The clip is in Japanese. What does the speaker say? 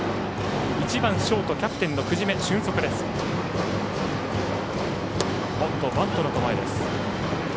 １番ショートキャプテンの久次米俊足です。